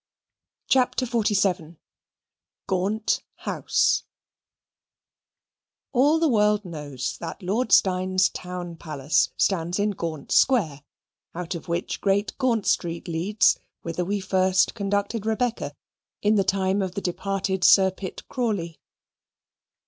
CHAPTER XLVII Gaunt House All the world knows that Lord Steyne's town palace stands in Gaunt Square, out of which Great Gaunt Street leads, whither we first conducted Rebecca, in the time of the departed Sir Pitt Crawley.